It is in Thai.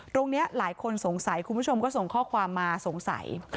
หลายคนสงสัยคุณผู้ชมก็ส่งข้อความมาสงสัย